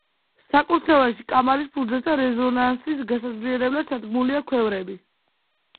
საკურთხეველში, კამარის ფუძესთან, რეზონანსის გასაძლიერებლად ჩადგმულია ქვევრები.